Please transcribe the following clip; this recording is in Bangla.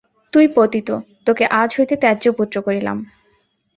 তুই পতিত, তোকে আজ হইতে ত্যাজ্য পুত্র করিলাম।